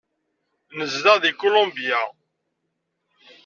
Nezdeɣ deg Kulumbya.